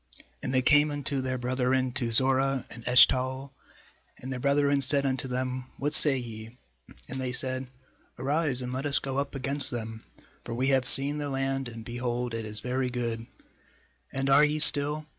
8And they came unto their brethren to Zorah and Eshtaol; and their brethren said unto them: 'What say ye?' 9And they said: 'Arise, and let us go up against them; for we have seen the land, and, behold, it is very good; and are ye still?